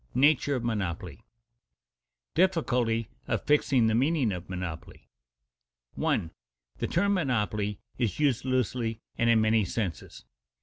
NATURE OF MONOPOLY [Sidenote: Difficulty of fixing the meaning of monopoly] 1. _The term monopoly is used loosely and in many senses.